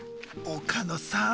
岡野さん